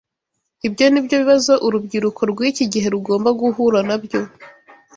Ibyo ni byo bibazo urubyiruko rw’iki gihe rugomba guhura nabyo